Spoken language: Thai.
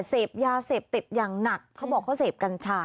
เสพยาเสพติดอย่างหนักเขาบอกเขาเสพกัญชา